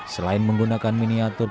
selain menggunakan miniatur